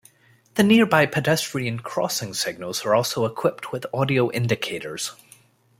The nearby pedestrian crossing signals are also equipped with audio indicators.